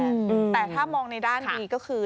แต่ถ้ามองในด้านดีก็คือ